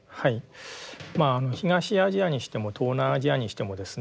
東アジアにしても東南アジアにしてもですね